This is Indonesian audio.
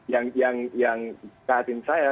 yang mengatakan saya